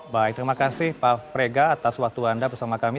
baik terima kasih pak prega atas waktu anda bersama kami